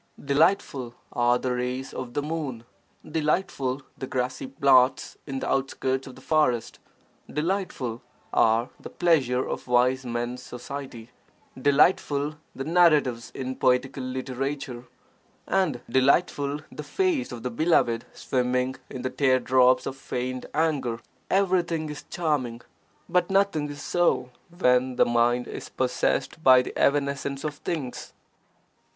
Delightful are the rays of the moon, delightful the grassy plots in the outskirts of the forest, delightful are the pleasure of wise men's society, delightful the narratives in poetical literature, and delightful the face of the beloved swimming in the tear drops of (feigned) anger. Everything is charming, but nothing is so when the mind is possessed by the evanescence of things.